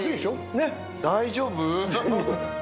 ねえ大丈夫？